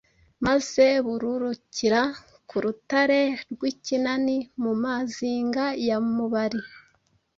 maze bururukira ku rutare rw'Ikinani, mu Mazinga ya Mubari.